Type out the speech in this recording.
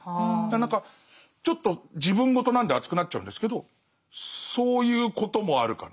何かちょっと自分ごとなんで熱くなっちゃうんですけどそういうこともあるかな。